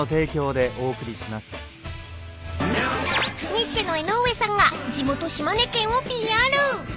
［ニッチェの江上さんが地元島根県をＰＲ］